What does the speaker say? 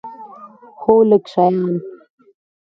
هو، لږ شیان